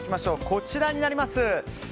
こちらになります。